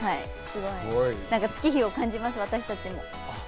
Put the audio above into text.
月日を感じます、私たちも。